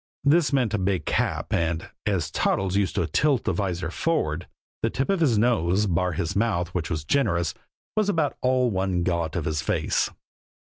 This meant a big cap, and, as Toddles used to tilt the vizor forward, the tip of his nose, bar his mouth which was generous, was about all one got of his face.